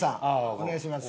お願いします。